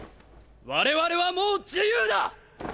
我々はもう自由だ！！